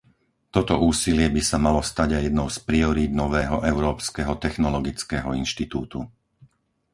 Toto úsilie by sa malo stať aj jednou z priorít nového Európskeho technologického inštitútu.